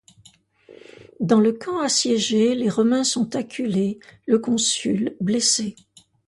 Dans le camp assiégé, les Romains sont acculés, le consul blessé.